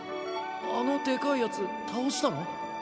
あのでかい奴倒したの？